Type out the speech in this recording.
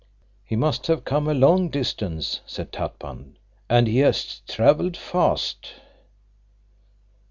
] "He must have come a long distance," said Tatpan, "and he has traveled fast."